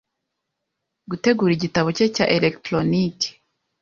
gutegura igitabo cye cya elegitoroniki